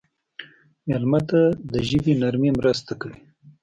مېلمه ته د ژبې نرمي مرسته کوي.